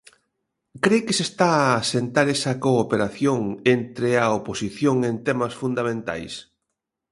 Cre que se está a asentar esa cooperación entre a oposición en temas fundamentais?